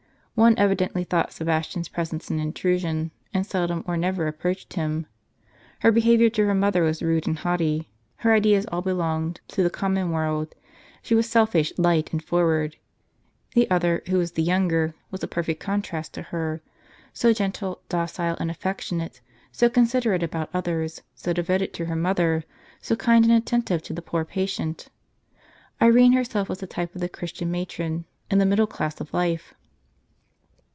One evidently thought Sebastian's presence an intrusion, and seldom or never approached him. Her behavior to her mother was rude and haughty, her ideas all belonged to the common world, — she was selfish, light, and forward. The other, who was the younger, was a perfect contrast to her, — so gentle, docile and affectionate; so considerate about othei's; so devoted to her mother; so kind and attentive to the poor patient. Irene herself was a type of the Christian matron, in the middle class of life.